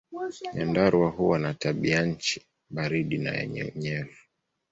Nyandarua huwa na tabianchi baridi na yenye unyevu.